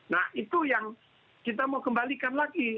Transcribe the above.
nah itu yang kita mau kembalikan lagi